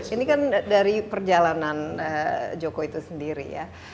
ini kan dari perjalanan joko itu sendiri ya